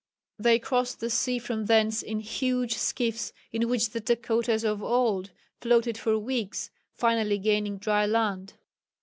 They crossed the sea from thence "in huge skiffs in which the Dakotas of old floated for weeks, finally gaining dry land."